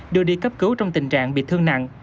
đưa đi cấp cứu trong tình trạng bị thương nặng